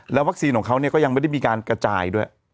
วัคซีนของเขาก็ยังไม่ได้มีการกระจายด้วย